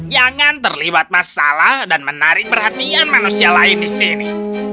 jangan terlibat masalah dan menarik perhatian manusia lain di sini